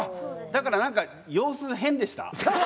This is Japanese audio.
だから何か様子が変でした。